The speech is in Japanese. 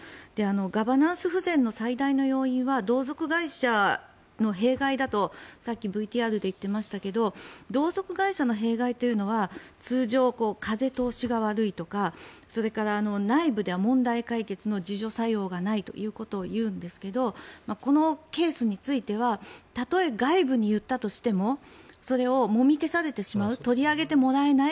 ガバナンス不全の最大の要因は同族会社の弊害だとさっきＶＴＲで言っていましたが同族会社の弊害というのは通常、風通しが悪いとかそれから内部では問題解決の自浄作用がないということを言うんですがこのケースについてはたとえ外部に言ったとしてもそれをもみ消されてしまう取り上げてもらえない。